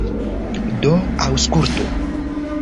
Do aŭskultu.